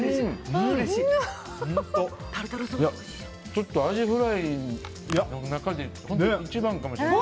ちょっとアジフライの中で一番かもしれない。